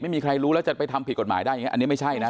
ไม่มีใครรู้แล้วจะไปทำผิดกฎหมายได้อย่างนี้อันนี้ไม่ใช่นะ